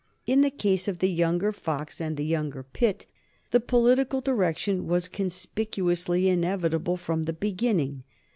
In the case of the younger Fox and of the younger Pitt the political direction was conspicuously inevitable from the beginning.